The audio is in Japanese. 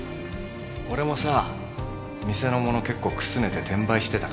俺もさ店の物結構くすねて転売してたからさ。